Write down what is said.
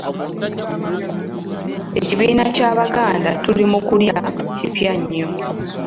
Ekibiina Ky'Abaganda Tuli Mu Kulya kipya nnyo.